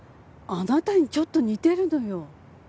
あなたにちょっと似てるのよ。